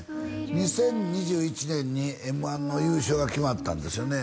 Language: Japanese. ２０２１年にＭ−１の優勝が決まったんですよね